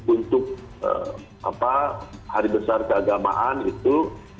untuk hari besar keagamaan itu